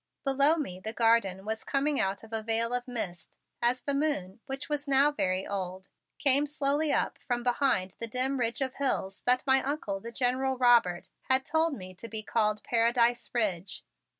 Below me the garden was coming out of a veil of mist as the moon, which was now very old, came slowly up from behind the dim ridge of hills that my Uncle the General Robert had told me to be called Paradise Ridge.